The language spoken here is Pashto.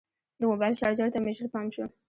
د موبایل چارجر ته مې ژر پام شو.